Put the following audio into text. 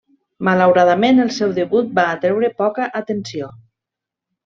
Malauradament el seu debut va atreure poca atenció.